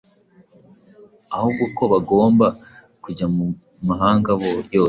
ahubwo ko bagomba kujya mu mahanga yose